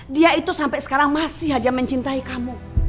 dia itu sampai sekarang masih saja mencintai kamu